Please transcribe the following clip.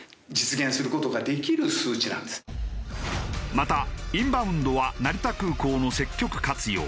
またインバウンドは成田空港の積極活用。